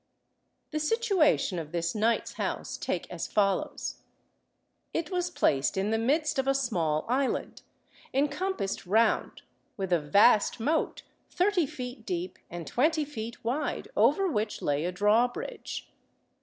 The situation of this knight's house take as follows: It was placed in the midst of a small island, encompassed round with a vast moat, thirty feet deep and twenty feet wide, over which lay a drawbridge.